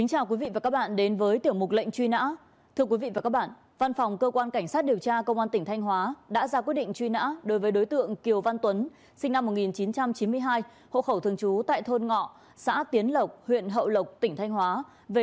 hãy đăng ký kênh để ủng hộ kênh của chúng mình nhé